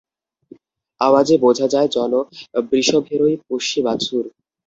আওয়াজে বোঝা যায় জন বৃষভেরই পুষ্যি বাছুর।